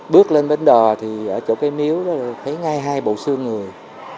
bước lên bến đò thì ở chỗ cái miếu thấy ngay hai bộ xương người